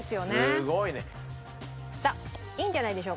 すごいね。さあいいんじゃないでしょうか。